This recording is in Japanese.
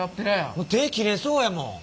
手切れそうやもん。